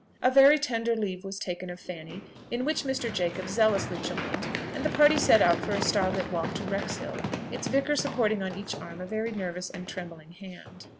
A very tender leave was taken of Fanny, in which Mr. Jacob zealously joined, and the party set out for a star lit walk to Wrexhill, its vicar supporting on each arm a very nervous and trembling hand.